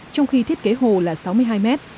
trong khi thiết kế hồ là sáu mươi hai mét